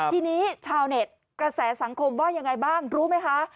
ทีนี้ชาวเน็ตกระแสสังคมว่ายังไงบ้างรู้ไหมคะ